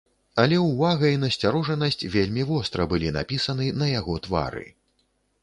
Але ўвага і насцярожанасць вельмі востра былі напісаны на яго твары.